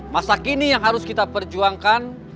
masa kini yang harus kita perjuangkan